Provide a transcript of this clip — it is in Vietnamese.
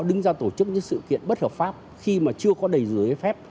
đứng ra tổ chức những sự kiện bất hợp pháp khi mà chưa có đầy dưới phép